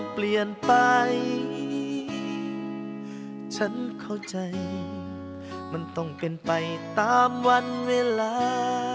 เปลี่ยนไปฉันเข้าใจมันต้องเป็นไปตามวันเวลา